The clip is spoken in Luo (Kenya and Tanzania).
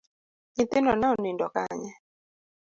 Nyithindo ne onindo kanye?